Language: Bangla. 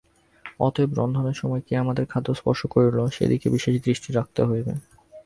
অতএব রন্ধনের সময় কে আমাদের খাদ্য স্পর্শ করিল, সে-দিকে বিশেষ দৃষ্টি রাখিতে হইবে।